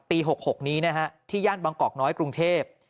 ๖๖นี้นะฮะที่ย่านบางกอกน้อยกรุงเทพ